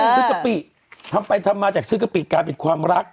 ซื้อกะปิทำมาจากซื้อกะปิการเป็นความรัก